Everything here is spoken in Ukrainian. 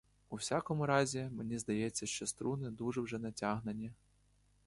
У всякому разі, мені здається, що струни дуже вже натягнені.